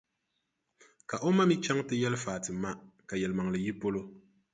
Ka o ma mi chaŋ nti yɛli Fati ma ka yɛlimaŋli yi polo.